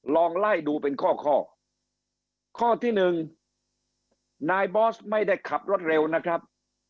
ลองไล่ดูเป็นข้อข้อที่หนึ่งนายบอสไม่ได้ขับรถเร็วนะครับ